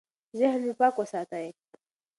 ذهن مو پاک وساتئ.